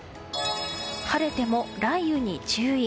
晴れても雷雨に注意。